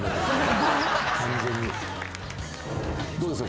どうですか？